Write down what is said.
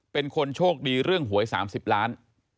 เป็นคนโชคดีเรื่องหวย๓๐ล้าน